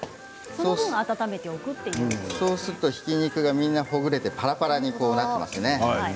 そうすると、ひき肉がみんなほぐれてぱらぱらになっていますね。